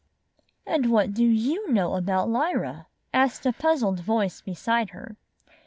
"And what do you know about Lyra?" asked a puzzled voice beside her.